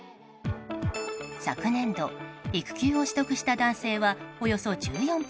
昨年度、育休を取得した男性はおよそ１４％。